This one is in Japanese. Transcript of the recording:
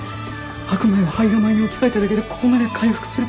白米を胚芽米に置き換えただけでここまで回復するとは。